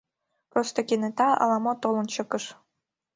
Просто кенета ала-мо толын чыкыш.